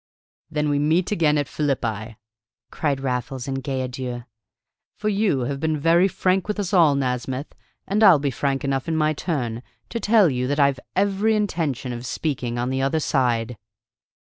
"Then we meet again at Philippi," cried Raffles in gay adieu. "For you have been very frank with us all, Nasmyth, and I'll be frank enough in my turn to tell you that I've every intention of speaking on the other side!"